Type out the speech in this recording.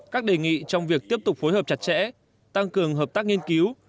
các đề nghị trong việc tiếp tục phối hợp chặt chẽ tăng cường hợp tác nghiên cứu